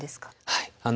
はい。